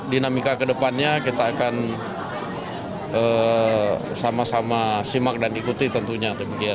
dinamika kedepannya kita akan sama sama simak dan ikuti tentunya